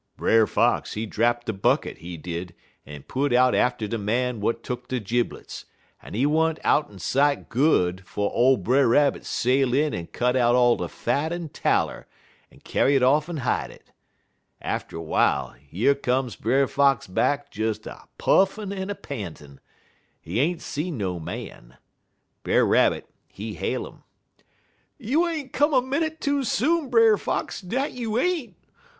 "Brer Fox he drapt de bucket, he did, en put out atter de man w'at tuck de jiblets, en he wa'n't out'n sight good, 'fo' ole Brer Rabbit sail in en cut out all de fat en taller, en kyar' it off en hide it. Atter w'ile, yer come Brer Fox back des a puffin' en a pantin'. He ain't see no man. Brer Rabbit, he hail 'im: "'You ain't come a minnit too soon, Brer Fox, dat you ain't.